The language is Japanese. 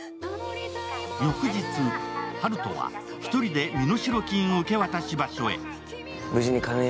翌日、温人は１人で身代金受け取り場所へ。